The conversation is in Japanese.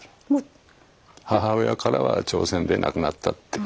母親からは朝鮮で亡くなったって聞いてました。